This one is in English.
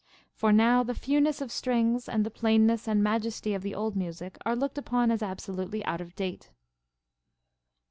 For now the fewness of strings and the plainness and majesty of the old music are looked upon as absolutely out of date.